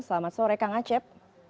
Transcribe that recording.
selamat sore kang acep